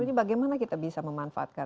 ini bagaimana kita bisa memanfaatkan